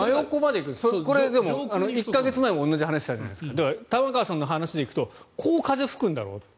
これ、１か月前も同じ話をしたじゃないですかだから、玉川さんの話で行くとこう風が吹くんだろうと。